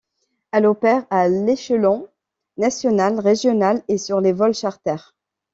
Elle opère à l'échelon national, régional et sur les vols charter.